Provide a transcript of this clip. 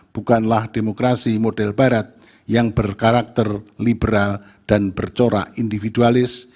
bukanlah demokrasi model barat yang berkarakter liberal dan bercorak individualis